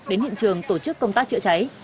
đến hiện trường tổ chức công tác chữa cháy